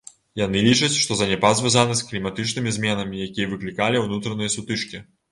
Яны лічаць, што заняпад звязаны з кліматычнымі зменамі, якія выклікалі ўнутраныя сутычкі.